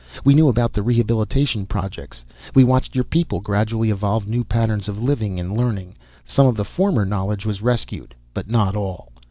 We knew about the rehabilitation projects. We watched your people gradually evolve new patterns of living and learning. Some of the former knowledge was rescued, but not all.